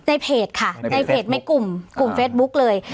ในเพจค่ะในเพจในกลุ่มกลุ่มเฟสบุ๊กเลย